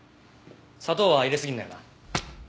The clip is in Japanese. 砂糖は入れすぎんなよな。